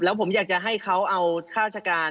แล้วผมอยากจะให้เขาเอาข้าราชการ